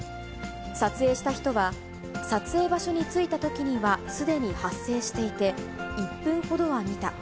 撮影した人は、撮影場所に着いたときには、すでに発生していて、１分ほどは見た。